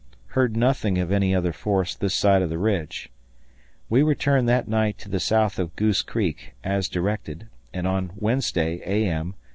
Heard nothing of any other force this side of the ridge. He returned that night to the south of Goose Creek, as directed, and, on Wednesday, A.M.